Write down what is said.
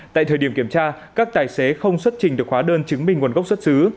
tại thời điểm kiểm tra các tài xế không xuất trình được khóa đơn chứng minh nguồn gốc xuất xứ